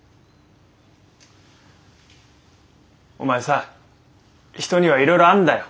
お前さ人にはいろいろあんだよ